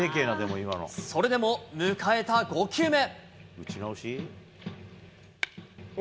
それでも迎えた５球目。